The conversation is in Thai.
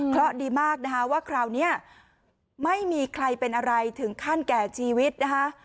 เพราะดีมากนะคะว่าคราวนี้ไม่มีใครเป็นอะไรถึงขั้นแก่ชีวิตนะคะ